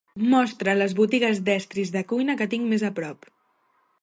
Mostra les botigues d'estris de cuina que tinc més a prop.